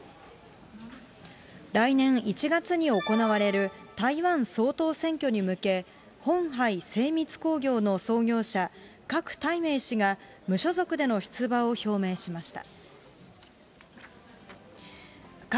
来年１月に行われる台湾総統選挙に向け、ホンハイ精密工業の創業者、郭台銘氏が無所属での出馬を表明しました。